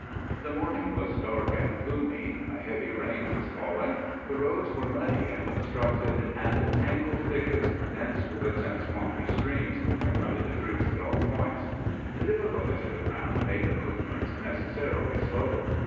The morning was dark and gloomy, a heavy rain was falling, the roads were muddy and obstructed, and tangled thickets, dense woods, and swampy streams confronted the troops at aU points. The difficulties of the ground made the movements necessarily slow.